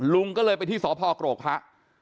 ลุงก็เลยไปที่สพกรกพระ